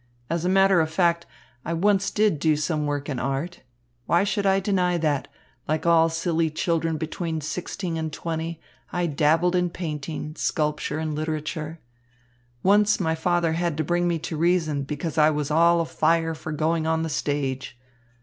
As a matter of fact, I once did do some work in art. Why should I deny that, like all silly children of between sixteen and twenty, I dabbled in painting, sculpture, and literature? Once my father had to bring me to reason because I was all afire for going on the stage.